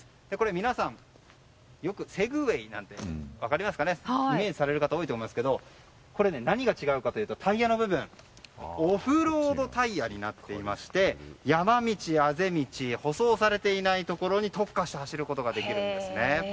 皆さん、セグウェイって分かりますかねイメージされる方多いと思いますけど何が違うかというとタイヤの部分オフロードタイヤになってまして山道、あぜ道舗装されていな道に特化して走ることができるんです。